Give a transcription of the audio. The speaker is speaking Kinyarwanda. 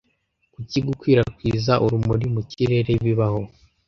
Kuki gukwirakwiza urumuri mu kirere bibaho